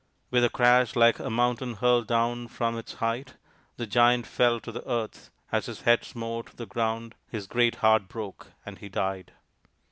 With a crash like a mountain hurled down from its height the Giant fell to the earth ; as his head smote the ground his great heart broke, and he died.